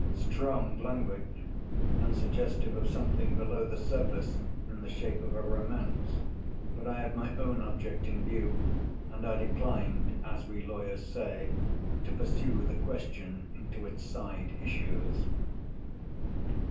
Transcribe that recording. Strong language! and suggestive of something below the surface, in the shape of a romance. But I had my own object in view, and I declined (as we lawyers say) to pursue the question into its side issues.